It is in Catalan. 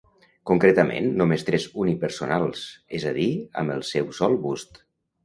Concretament només tres unipersonals, és a dir amb el seu sol bust.